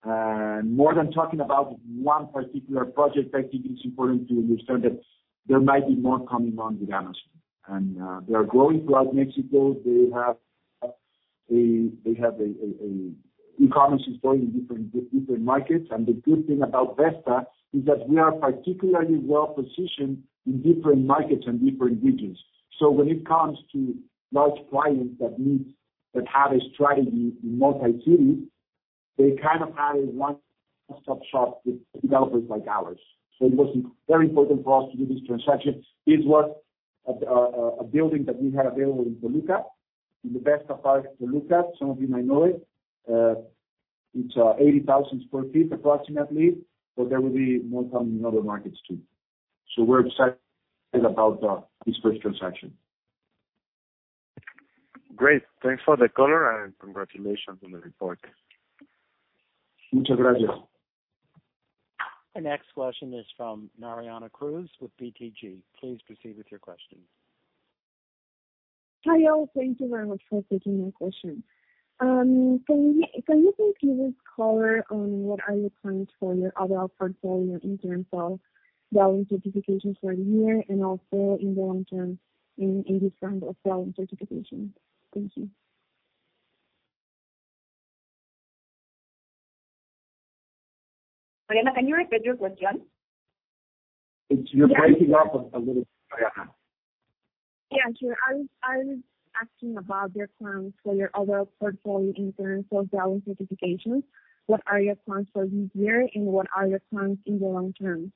More than talking about one particular project, I think it's important to understand that there might be more coming on with Amazon. They are growing throughout Mexico. E-commerce is growing in different markets. The good thing about Vesta is that we are particularly well positioned in different markets and different regions. When it comes to large clients that have a strategy in multi-city, they kind of have a one-stop shop with developers like ours. It was very important for us to do this transaction. This was a building that we had available in Toluca, in the Vesta Park Toluca, some of you might know it. It's 80,000 sq ft approximately, but there will be more coming in other markets too. We're excited about this first transaction. Great. Thanks for the color and congratulations on the report. Muchas gracias. Our next question is from Mariana Cruz with BTG. Please proceed with your question. Hi, y'all. Thank you very much for taking my question. Can you please color on what are your plans for your other portfolio in terms of value certifications for the year and also in the long term in this round of value certifications? Thank you. Mariana, can you repeat your question? You're breaking up a little, Mariana. Yeah, sure. I was asking about your plans for your other portfolio in terms of value certifications. What are your plans for this year, and what are your plans in the long term?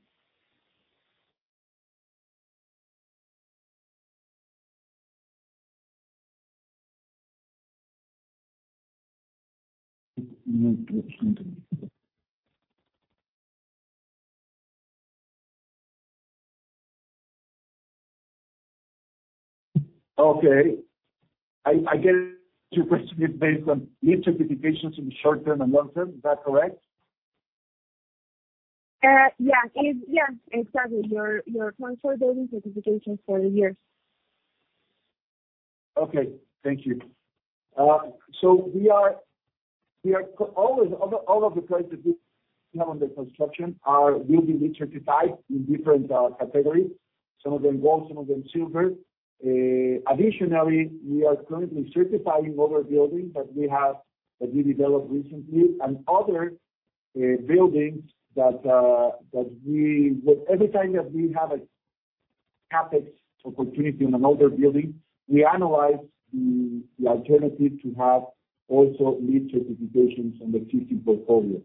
Okay. I get your question is based on LEED certifications in short-term and long-term. Is that correct? Your plans for building certifications for the years. Okay, thank you. All of the projects we have under construction will be LEED certified in different categories. Some of them gold, some of them silver. Additionally, we are currently certifying other buildings that we developed recently and other buildings. Every time that we have a CapEx opportunity in another building, we analyze the alternative to have also LEED certifications on the future portfolio.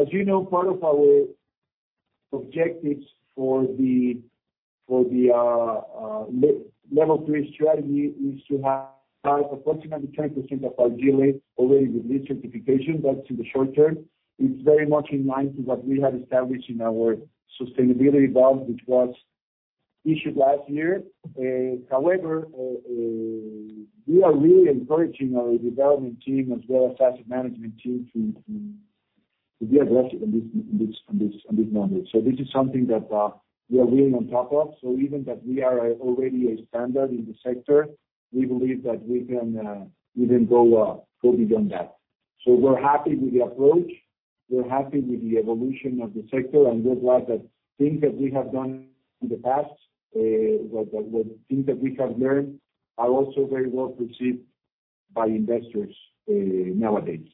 As you know, part of our objectives for the Level Three strategy is to have approximately 10% of our GLA already with LEED certification. That's in the short term. It's very much in line with what we had established in our sustainability bond, which was issued last year. However, we are really encouraging our development team as well as asset management team to be aggressive on this matter. This is something that we are really on top of. Even though we are already a standard in the sector, we believe that we can go beyond that. We're happy with the approach. We're happy with the evolution of the sector, and we're glad that things that we have done in the past with things that we have learned are also very well received by investors nowadays.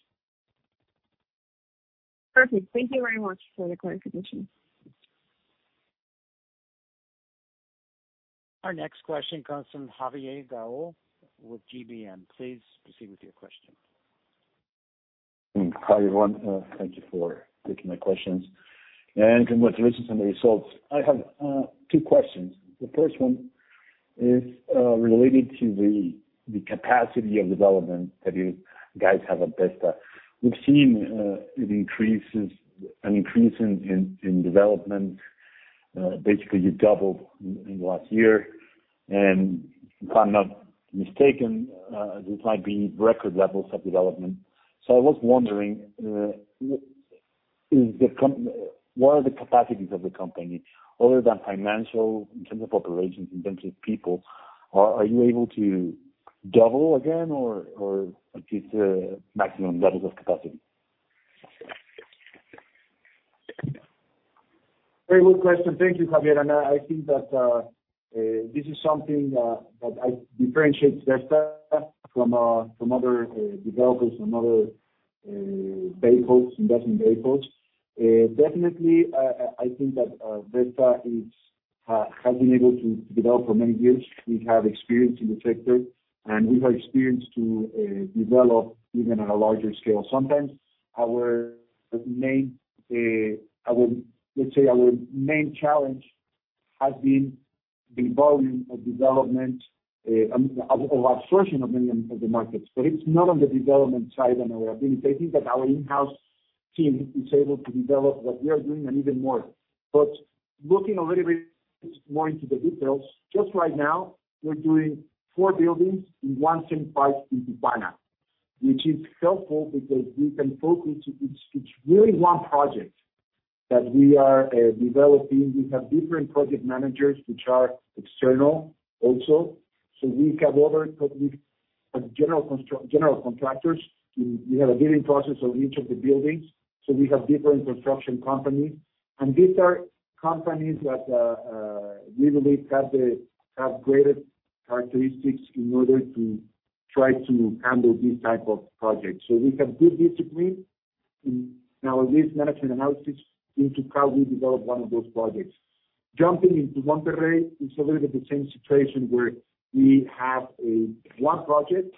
Perfect. Thank you very much for the clarification. Our next question comes from Javier Gayol with GBM. Please proceed with your question. Hi, everyone. Thank you for taking my questions. Congratulations on the results. I have two questions. The first one is related to the capacity of development that you guys have at Vesta. We've seen an increase in development. Basically, you doubled in the last year. If I'm not mistaken, this might be record levels of development. I was wondering, what are the capacities of the company other than financial in terms of operations, in terms of people? Are you able to double again or achieve the maximum levels of capacity? Very good question. Thank you, Javier. I think that this is something that I differentiate Vesta from other developers, from other vehicles, investment vehicles. Definitely, I think that Vesta has been able to develop for many years. We have experience in the sector, and we have experience to develop even on a larger scale. Sometimes our main, our, let's say our main challenge has been the volume of development of absorption of many of the markets. But it's not on the development side on our abilities. I think that our in-house team is able to develop what we are doing and even more. Looking a little bit more into the details, just right now, we're doing four buildings in the same site in Tijuana, which is helpful because we can focus. It's really one project that we are developing. We have different project managers, which are external also. We have other general contractors. We have a bidding process on each of the buildings. We have different construction companies. These are companies that we believe have greater characteristics in order to try to handle these type of projects. We have good discipline in our lease management analysis into how we develop one of those projects. Jumping into Monterrey, it's a little bit the same situation where we have one project,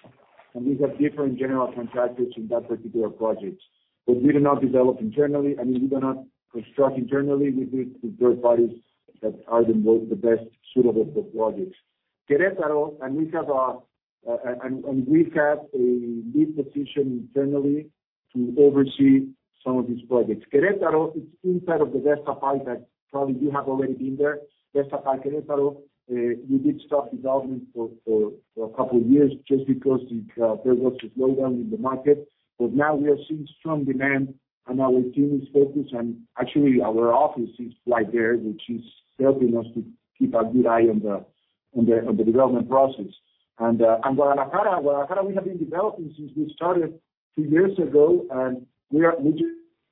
and we have different general contractors in that particular project. We do not develop internally. I mean, we do not construct internally with third parties that are the best suitable for projects. Querétaro, and we have a lead position internally to oversee some of these projects. Querétaro is inside of the Vesta Park Querétaro that probably you have already been there. Vesta Park Querétaro, we did stop development for a couple years just because there was a slowdown in the market. Now we are seeing strong demand, and our team is focused, and actually our office is right there, which is helping us to keep a good eye on the development process. Guadalajara we have been developing since we started two years ago, and we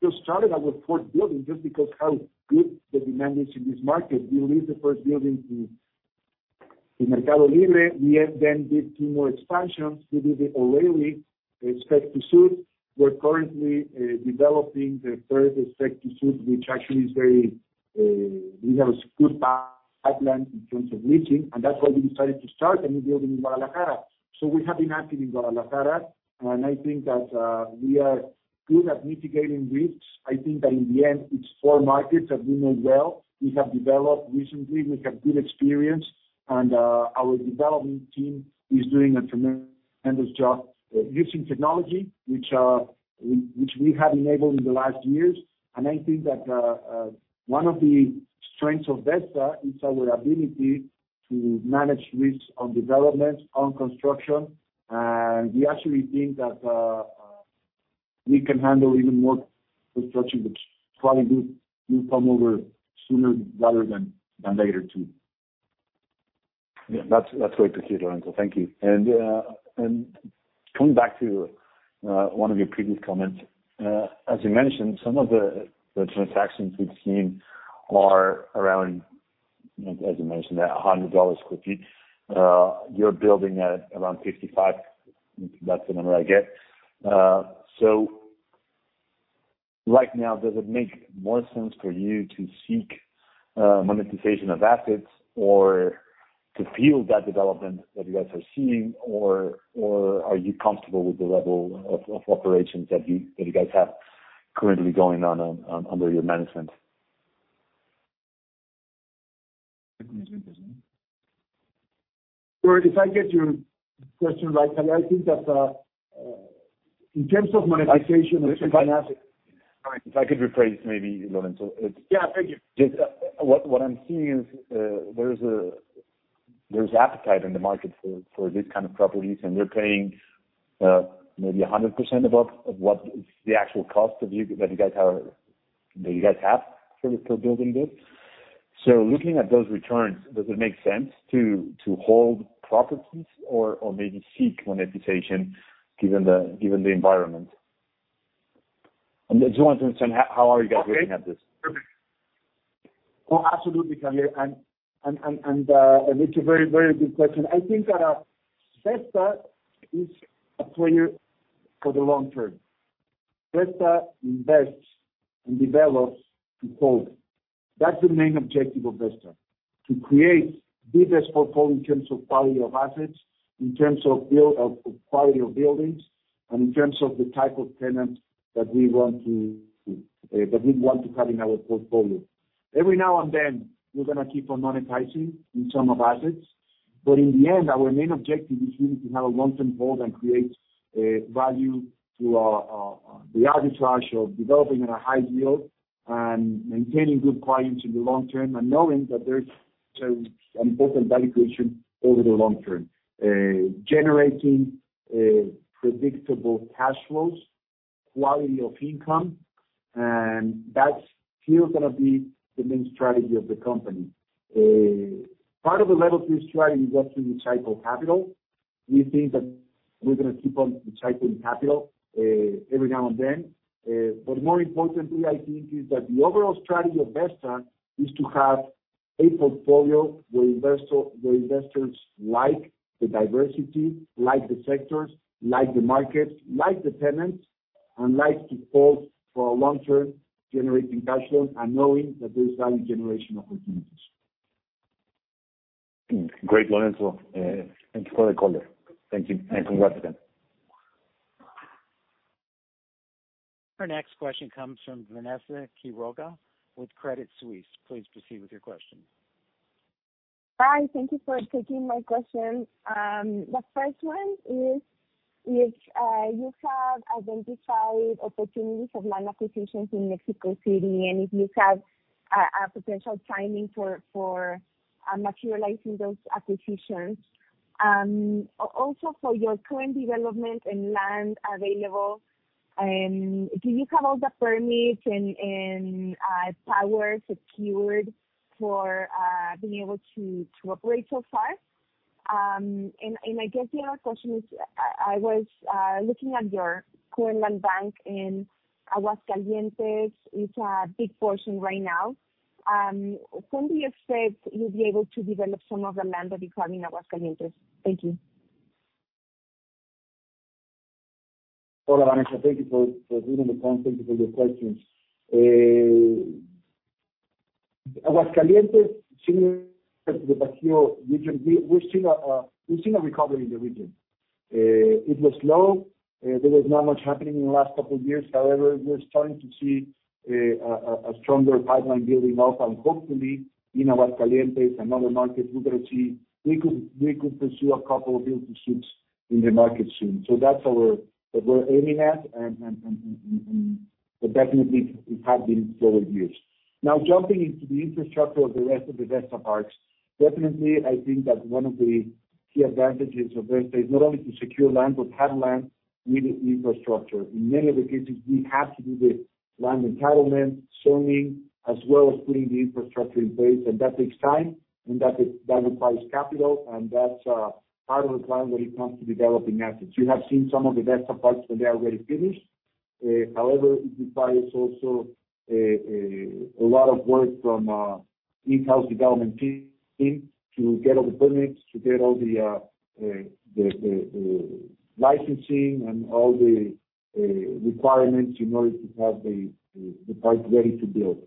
just started our fourth building just because how good the demand is in this market. We released the first building in Mercado Libre. We have then did two more expansions. We did the O'Reilly spec-to-suit. We're currently developing the third spec-to-suit, which actually is very, we have a good pipeline in terms of leasing, and that's why we decided to start a new building in Guadalajara. We have been active in Guadalajara, and I think that we are good at mitigating risks. I think that in the end, it's four markets that we know well. We have developed recently. We have good experience, and our development team is doing a tremendous job, using technology which we have enabled in the last years. I think that one of the strengths of Vesta is our ability to manage risks on development, on construction. We actually think that we can handle even more construction, which probably will come over sooner rather than later too. Yeah. That's great to hear, Lorenzo. Thank you. Coming back to one of your previous comments. As you mentioned, some of the transactions we've seen are around, as you mentioned, at $100 per foot. You're building at around $55. That's the number I get. So right now, does it make more sense for you to seek monetization of assets or to fuel that development that you guys are seeing or are you comfortable with the level of operations that you guys have currently going on under your management? Well, if I get your question right, I think that in terms of monetization of assets. Sorry, if I could rephrase maybe, Lorenzo. Yeah. Thank you. What I'm seeing is, there's appetite in the market for these kind of properties, and they're paying maybe 100% above what is the actual cost that you guys have for building this. So looking at those returns, does it make sense to hold properties or maybe seek monetization given the environment? I just want to understand how are you guys looking at this? Okay. Perfect. Oh, absolutely, Javier. It's a very good question. I think that Vesta is a player for the long term. Vesta invests and develops to hold. That's the main objective of Vesta, to create the best portfolio in terms of quality of assets, in terms of build, of quality of buildings, and in terms of the type of tenants that we want to have in our portfolio. Every now and then, we're gonna keep on monetizing in some of assets, but in the end, our main objective is really to have a long-term hold and create value through our the arbitrage of developing at a high yield and maintaining good clients in the long term and knowing that there's important value creation over the long term. Generating predictable cash flows, quality of income, and that's still gonna be the main strategy of the company. Part of the Level Three strategy is also recycling capital. We think that we're gonna keep on recycling capital every now and then. But more importantly, I think, is that the overall strategy of Vesta is to have a portfolio where investors like the diversity, like the sectors, like the markets, like the tenants, and like to hold for a long term, generating cash flows and knowing that there's value generation opportunities. Great, Lorenzo. Thank you for the call. Thank you. Congrats again. Our next question comes from Vanessa Quiroga with Credit Suisse. Please proceed with your question. Hi. Thank you for taking my question. The first one is if you have identified opportunities of land acquisitions in Mexico City and if you have a potential timing for materializing those acquisitions. Also for your current development and land available, do you have all the permits and power secured for being able to operate so far? I guess the other question is, I was looking at your current land bank in Aguascalientes. It's a big portion right now. When do you expect you'll be able to develop some of the land that you have in Aguascalientes? Thank you. Hola, Vanessa. Thank you for being on the call. Thank you for your questions. Aguascalientes, similar to the Bajío region, we're seeing. We've seen a recovery in the region. It was low. There was not much happening in the last couple years. However, we're starting to see a stronger pipeline building up. Hopefully in Aguascalientes and other markets, we're gonna see. We could pursue a couple of build-to-suit in the market soon. That's where we're aiming at. But definitely it had been slower years. Now, jumping into the infrastructure of the rest of the Vesta parks. Definitely, I think that one of the key advantages of Vesta is not only to secure land, but have land with infrastructure. In many of the cases, we have to do the land entitlement, zoning, as well as putting the infrastructure in place. That takes time, and that requires capital, and that's part of the plan when it comes to developing assets. You have seen some of the Vesta parks when they are already finished. However, it requires also a lot of work from in-house development team to get all the permits, to get all the licensing and all the requirements in order to have the park ready to build.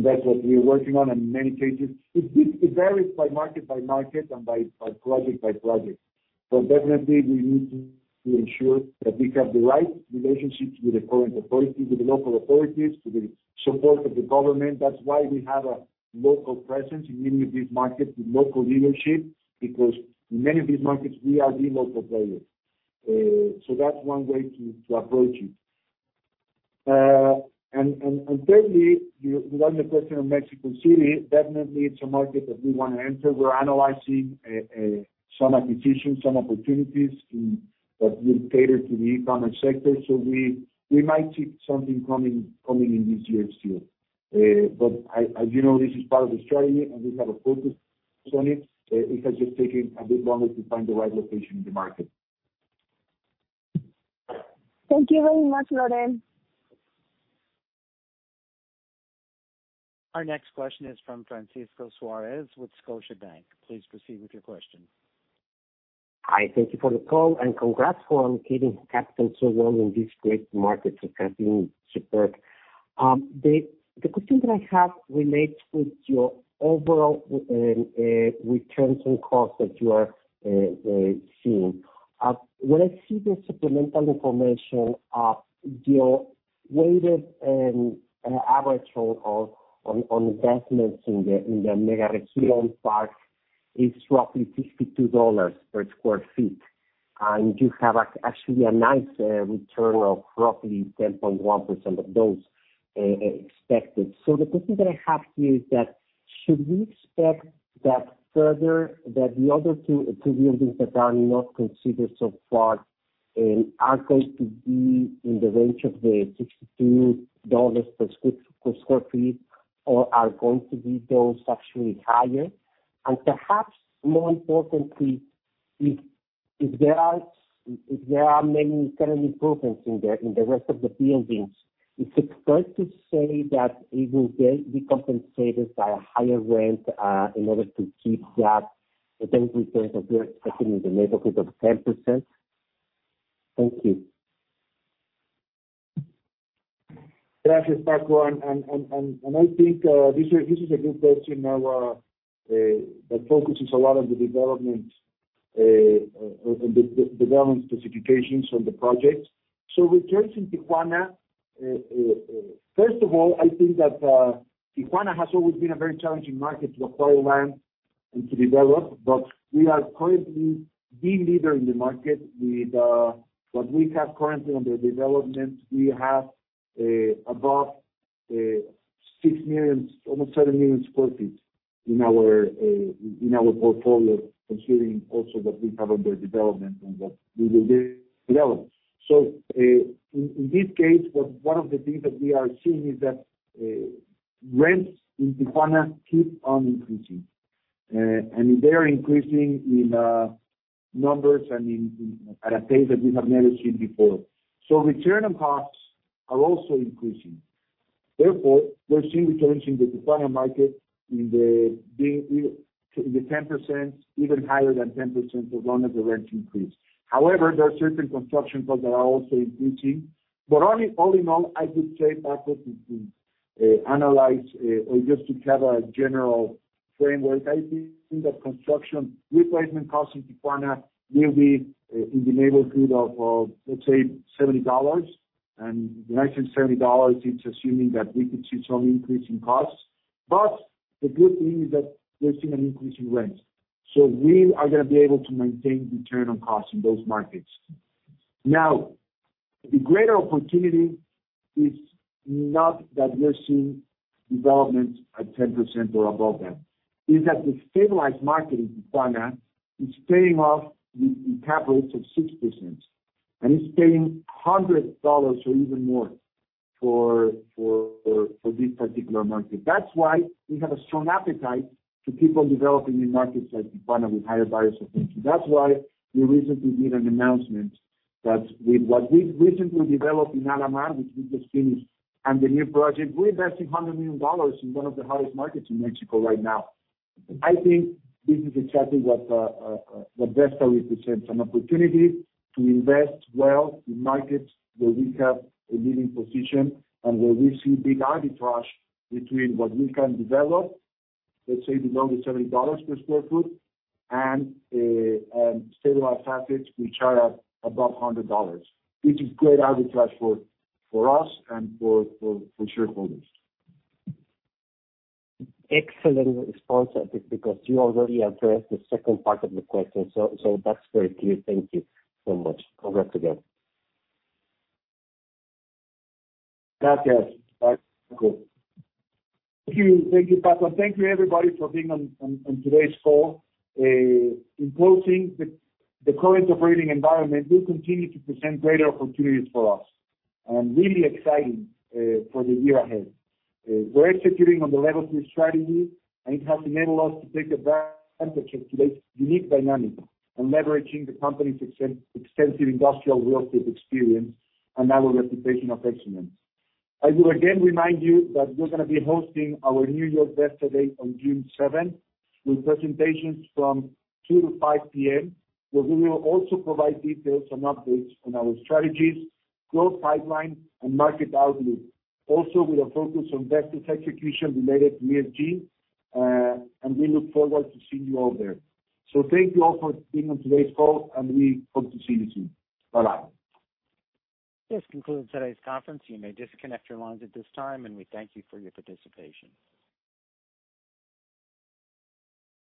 That's what we're working on in many cases. It varies market by market and project by project. Definitely we need to ensure that we have the right relationships with the current authorities, with the local authorities, with the support of the government. That's why we have a local presence in many of these markets with local leadership. Because in many of these markets, we are the local players. That's one way to approach it. Thirdly, you asked me a question on Mexico City. Definitely it's a market that we wanna enter. We're analyzing some acquisitions, some opportunities that will cater to the e-commerce sector. We might see something coming in this year still. As you know, this is part of the strategy, and we have a focus on it. It has just taken a bit longer to find the right location in the market. Thank you very much, Lorenzo. Our next question is from Francisco Suarez with Scotiabank. Please proceed with your question. Hi. Thank you for the call, and congrats for keeping capital so well in this great market. It has been superb. The question that I have relates with your overall returns and costs that you are seeing. When I see the supplemental information of your weighted average return on investments in the mega Mexican park is roughly $62 per sq ft. You have actually a nice return of roughly 10.1% of those expected. The question that I have here is that, should we expect that the other two buildings that are not considered so far are going to be in the range of the $62 per sq ft or are going to be those actually higher? Perhaps more importantly, if there are many internal improvements in the rest of the buildings, is it fair to say that it will be compensated by a higher rent in order to keep that return we're seeing that you're expecting in the neighborhood of 10%? Thank you. Gracias, Paco. I think this is a good question now that focuses a lot on the development specifications on the projects. Returns in Tijuana first of all, I think that Tijuana has always been a very challenging market to acquire land and to develop. We are currently the leader in the market with what we have currently under development. We have above 6 million, almost 7 million sq ft in our portfolio, considering also that we have under development and what we will develop. In this case, one of the things that we are seeing is that rents in Tijuana keep on increasing. They are increasing in numbers and in. at a pace that we have never seen before. Return on cost are also increasing. We're seeing returns in the Tijuana market in the 10%, even higher than 10% because of the rent increase. However, there are certain construction costs that are also increasing. But all in all, I would say, Paco, to analyze or just to have a general framework, I think that construction replacement costs in Tijuana will be in the neighborhood of, let's say $70. When I say $70, it's assuming that we could see some increase in costs. But the good thing is that we're seeing an increase in rents. We are gonna be able to maintain return on cost in those markets. Now, the greater opportunity is not that we're seeing development at 10% or above that. It is that the stabilized market in Tijuana is paying off with cap rates of 6%, and it's paying $100 or even more for this particular market. That's why we have a strong appetite to keep on developing new markets like Tijuana with higher barriers of entry. That's why we recently did an announcement that with what we've recently developed in Alamar, which we just finished, and the new project, we're investing $100 million in one of the hottest markets in Mexico right now. I think this is exactly what Vesta represents, an opportunity to invest well in markets where we have a leading position and where we see big arbitrage between what we can develop, let's say below the $70 per sq ft, and stabilized assets which are at above $100. Which is great arbitrage for us and for shareholders. Excellent response, I think, because you already addressed the second part of the question. That's very clear. Thank you so much. Congrats again. Gracias. Bye. Thank you. Thank you, Paco. Thank you, everybody, for being on today's call. In closing, the current operating environment will continue to present greater opportunities for us. I'm really excited for the year ahead. We're executing on the Level Three strategy, and it has enabled us to take advantage of today's unique dynamic and leveraging the company's extensive industrial real estate experience and our reputation of excellence. I will again remind you that we're gonna be hosting our New York Investor Day on June seventh, with presentations from 2 to 5 P.M., where we will also provide details and updates on our strategies, growth pipeline, and market outlook. We are focused on Vesta's execution related to ESG, and we look forward to seeing you all there. Thank you all for being on today's call, and we hope to see you soon. Bye-bye. This concludes today's conference. You may disconnect your lines at this time, and we thank you for your participation.